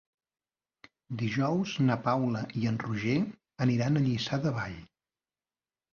Dijous na Paula i en Roger aniran a Lliçà de Vall.